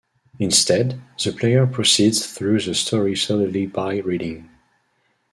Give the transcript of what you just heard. Instead, the player proceeds through the story solely by reading.